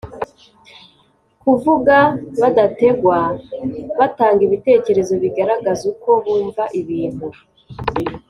Kuvuga badategwa, batanga ibitekerezo bigaragaza uko bumva ibintu